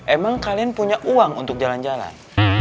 emang kalian punya uang untuk jalan jalan